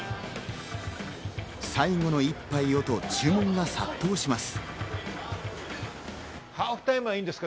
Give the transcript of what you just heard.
最後の一杯をと注文が殺到します。